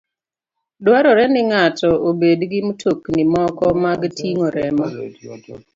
Dwarore ni ng'ato obed gi mtokni moko mag ting'o remo